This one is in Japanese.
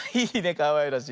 かわいらしい。